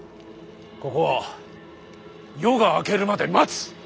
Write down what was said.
ここは夜が明けるまで待つ。